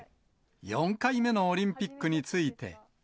４回目のオリンピックについて。